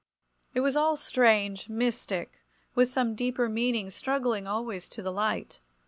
It was all strange, mystic, with some deeper meaning struggling always to the light.